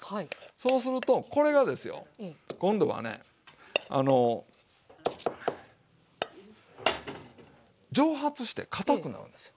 そうするとこれがですよ今度はね。蒸発してかたくなるんですよ。